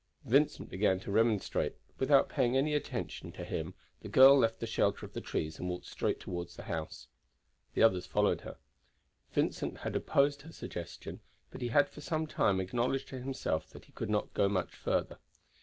Vincent began to remonstrate, but without paying any attention to him the girl left the shelter of the trees and walked straight toward the house. The others followed her. Vincent had opposed her suggestion, but he had for some time acknowledged to himself that he could not go much further.